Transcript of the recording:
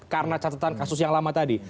karena catatan kasus yang lama tadi